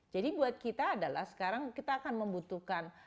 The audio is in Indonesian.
jadi buat kita adalah sekarang kita akan membutuhkan